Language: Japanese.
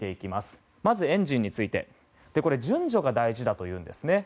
まず、エンジンについては順序が大事だというんです。